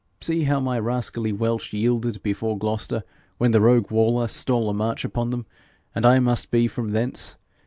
See how my rascally Welsh yielded before Gloucester, when the rogue Waller stole a march upon them and I must be from thence!